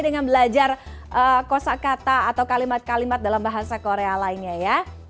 dengan belajar kosa kata atau kalimat kalimat dalam bahasa korea lainnya ya